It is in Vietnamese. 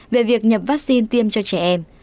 về việc nhập vaccine tiêm cho trẻ em